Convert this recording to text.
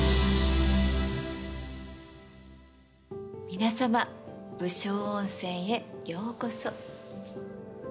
皆様「武将温泉」へようこそ。